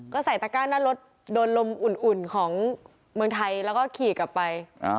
ก็ใส่ตะก้าหน้ารถโดนลมอุ่นของเมืองไทยแล้วก็ขี่กลับไป